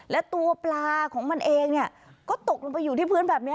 และตัวปลาของมันเองเนี่ยก็ตกลงไปอยู่ที่พื้นแบบนี้